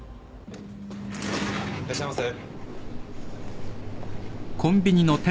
いらっしゃいませ。